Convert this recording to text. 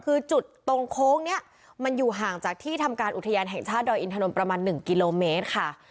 คือจุดตรงโค้งนี้มันอยู่ห่างจากที่ทำการอุทยานแห่งชาติดอยอินทนนท์ประมาณ๑กิโลเมตรค่ะ